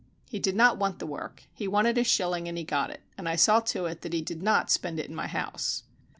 He did not want the work. He wanted a shilling, and he got it; and I saw to it that he did not spend it in my house.